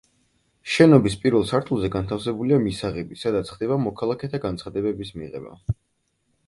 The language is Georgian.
შენობის პირველ სართულზე განთავსებულია მისაღები, სადაც ხდება მოქალაქეთა განცხადებების მიღება.